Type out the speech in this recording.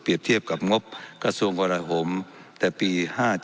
เปรียบเทียบกับงบกระทรวงกวรหมแต่ปี๕๖